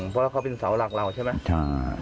เพราะเขาเป็นเสาหลักเราใช่ไหม